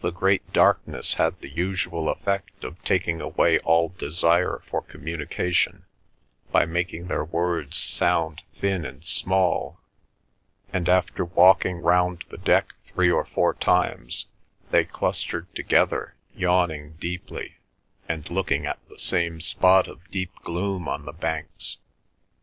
The great darkness had the usual effect of taking away all desire for communication by making their words sound thin and small; and, after walking round the deck three or four times, they clustered together, yawning deeply, and looking at the same spot of deep gloom on the banks.